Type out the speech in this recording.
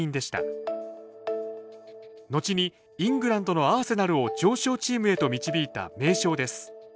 後にイングランドのアーセナルを常勝チームへと導いた名将です。